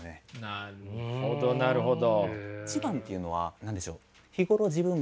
なるほどなるほど。